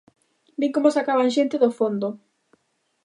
Vin como sacaban xente do fondo.